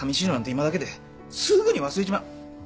今だけですぐに忘れちまう。